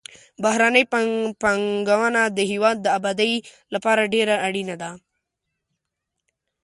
بهرنۍ پانګونه د هېواد د آبادۍ لپاره ډېره اړینه ده.